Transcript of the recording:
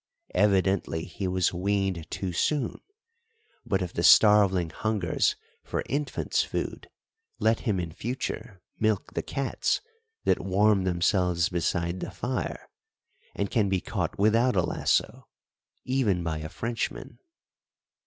Evidently he was weaned too soon; but if the starveling hungers for infant's food, let him in future milk the cats that warm themselves beside the fire, and can be caught without a lasso, even by a Frenchman!"